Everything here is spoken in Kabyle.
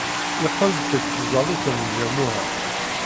Yeqqel-d seg tẓallit n ljamuɛa.